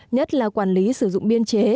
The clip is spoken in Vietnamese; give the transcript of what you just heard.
nhất là quản lý sử dụng biên chế